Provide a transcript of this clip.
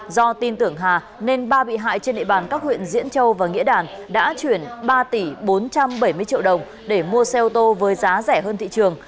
do tin tưởng hà nên ba bị hại trên địa bàn các huyện diễn châu và nghĩa đàn đã chuyển ba tỷ bốn trăm bảy mươi triệu đồng để mua xe ô tô với giá rẻ hơn thị trường